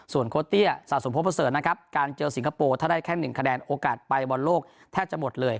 ส่วนโคตเตี้ยสะสมพบประเสริฐนะครับการเจอสิงคโปร์ถ้าได้แค่๑คะแนนโอกาสไปบอลโลกแทบจะหมดเลย